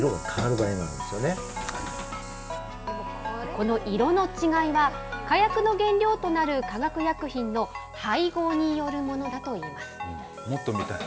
この色の違いは火薬の原料となる化学薬品の配合によるものだもっと見たい。